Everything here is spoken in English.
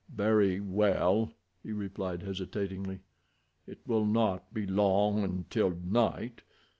"Very well," he replied hesitatingly. "It will not be long until night.